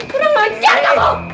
kurang ajar kamu